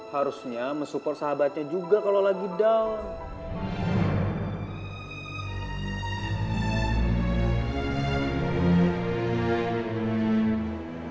harusnya mensupport sahabatnya juga kalau lagi down